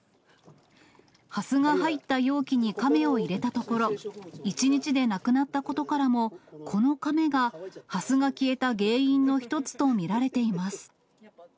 ハスが入った容器にカメを入れたところ、１日でなくなったことからも、このカメがハスが消えた原因の一つと見られています。